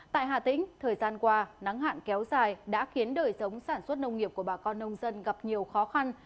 tại hà tĩnh thời gian qua nắng hạn kéo dài đã khiến đời sống sản xuất nông nghiệp của bà con nông dân gặp nhiều khó khăn